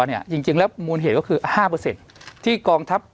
เนี้ยจริงจริงแล้วมูลเหตุก็คือห้าเปอร์เซ็นต์ที่กองทับ